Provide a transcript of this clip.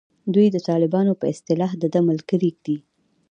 دوی د طالبانو په اصطلاح دده ملګري دي.